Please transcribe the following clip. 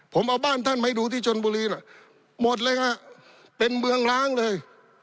ผมเอาบ้านท่านมาให้ดูที่ชนบุรีหน่อยหมดเลยฮะเป็นเมืองล้างเลย